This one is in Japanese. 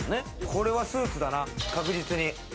これはスーツだな、確実に。